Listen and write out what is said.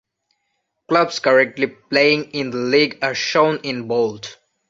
Clubs currently playing in the league are shown in bold.